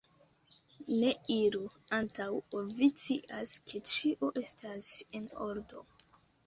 Ne iru, antaŭ ol vi scias, ke ĉio estas en ordo!